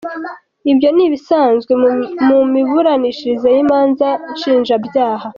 Ibyo ni ibisanzwe mu miburanishirize y’imanza nshinjabyaha.